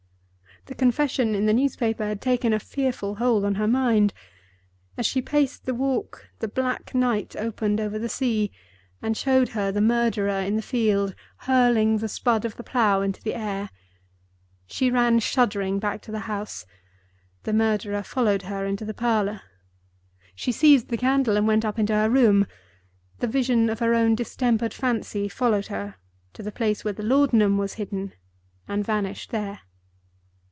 The confession in the newspaper had taken a fearful hold on her mind. As she paced the walk, the black night opened over the sea, and showed her the murderer in the field hurling the Spud of the plow into the air. She ran, shuddering, back to the house. The murderer followed her into the parlor. She seized the candle and went up into her room. The vision of her own distempered fancy followed her to the place where the laudanum was hidden, and vanished there.